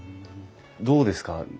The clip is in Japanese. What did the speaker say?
どうですか？